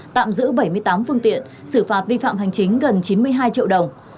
tạm giữ bảy mươi tám phương tiện xử phạt vi phạm hành chính gần chín mươi hai triệu đồng